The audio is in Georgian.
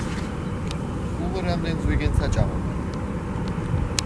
სულ რამდენ ზვიგენს აჭამა მან?